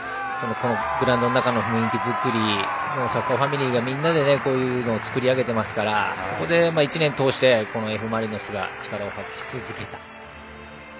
グラウンドの中の雰囲気作りサッカーファミリーがみんなでこういうのを作り上げていますからそこで１年を通してＦ・マリノスが力を発揮し続けた。